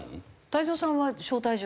太蔵さんは招待状は？